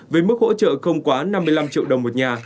với mức hỗ trợ không quá năm mươi năm triệu đồng một nhà